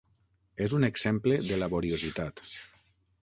És un exemple de laboriositat.